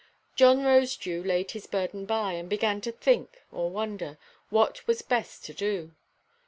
John Rosedew laid his burden by, and began to think, or wonder, what was best to do.